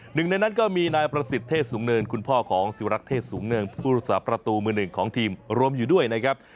หนึ่งในนั้นก็มีนายประสิทธิเทศสูงเนินคุณพ่อของสิวรักษ์เทศสูงเนินผู้รักษาประตูมือหนึ่งของทีมรวมอยู่ด้วยนะครับ